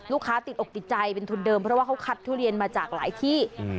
ติดอกติดใจเป็นทุนเดิมเพราะว่าเขาคัดทุเรียนมาจากหลายที่